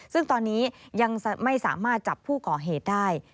ซึ่งตอนนี้ยังไม่สามารถจับผู้ก่อเหตุได้